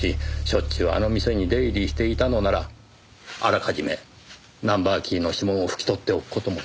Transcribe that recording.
しょっちゅうあの店に出入りしていたのならあらかじめナンバーキーの指紋を拭き取っておく事も容易です。